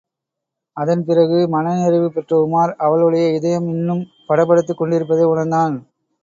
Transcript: அதன் பிறகு, மனநிறைவு பெற்ற உமார், அவளுடைய இதயம் இன்னும் படபடத்துக் கொண்டிருப்பதை உணர்ந்தான்.